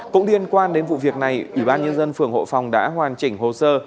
cũng liên quan đến vụ việc này ủy ban nhân dân phường hộ phòng đã hoàn chỉnh hồ sơ